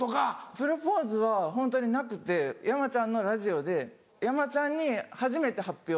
プロポーズはホントになくて山ちゃんのラジオで山ちゃんに初めて発表。